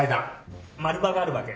丸刃があるわけ